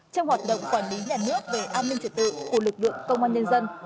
trong hoạt động quản lý nhà nước về an ninh trật tự của lực lượng công an nhân dân